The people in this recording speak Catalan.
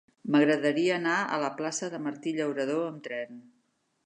M'agradaria anar a la plaça de Martí Llauradó amb tren.